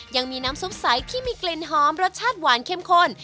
ยังมีน้ำซุปใสที่มีกลิ่นหอมรสชาติหวานเข้มข้น